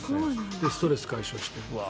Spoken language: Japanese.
で、ストレスを解消している。